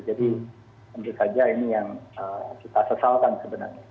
jadi tentu saja ini yang kita sesalkan sebenarnya